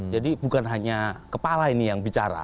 jadi bukan hanya kepala ini yang bicara